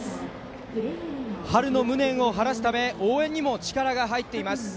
春の無念を晴らすため応援にも力が入ります。